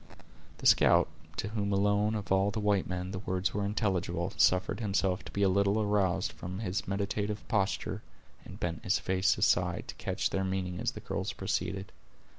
The scout, to whom alone, of all the white men, the words were intelligible, suffered himself to be a little aroused from his meditative posture, and bent his face aside, to catch their meaning, as the girls proceeded.